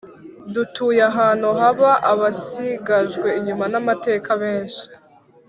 Dutuye ahantu haba abasigajwe inyuma na mateka benshi